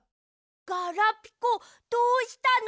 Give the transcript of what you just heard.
ガラピコどうしたの？